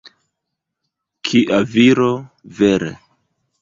Kia viro, vere!